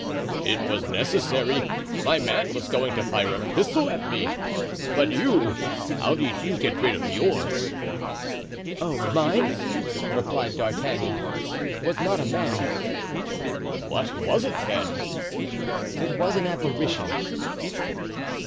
"It was necessary; my man was going to fire a pistol at me; but you—how did you get rid of yours?" "Oh, mine," replied D'Artagnan, "was not a man." "What was it then?" "It was an apparition."